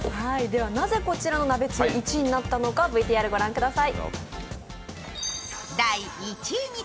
なぜこちらのなべつゆ１位になったのかＶＴＲ御覧ください。